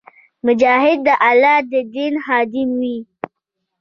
مجاهد د الله د دین خادم وي.